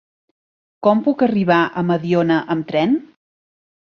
Com puc arribar a Mediona amb tren?